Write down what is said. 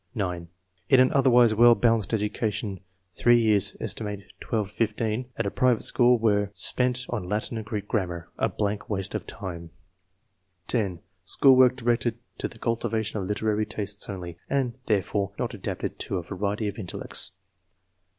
(9) " In an otherwise well balanced education, 3 years, set, 12 15, at a private school were spent on Latin and Greek grammar— a blank waste of time/' (10) " School work directed to the cultivation of literary tastes only, and therefore not adapted to a variety of intellects."